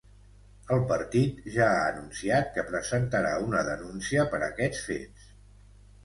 El partit ja ha anunciat que presentarà una denúncia per aquests fets.